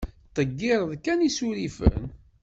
Ttdeggireɣ kan isurifen.